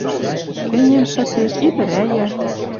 Кӹнем шыктеш, итӹрӓя